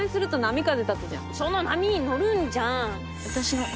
その波に乗るんじゃん。